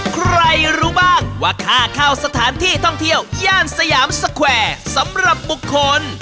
ใครรู้บ้างว่าค่าเข้าสถานที่ท่องเที่ยวย่านสยามสแควร์สำหรับบุคคล